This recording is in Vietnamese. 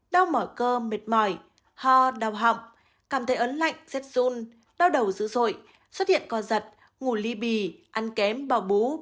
đau mỏi cơ mệt mỏi ho đau họng cảm thấy ấn lạnh rất run đau đầu dữ dội xuất hiện co giật ngủ ly bì ăn kém bào bú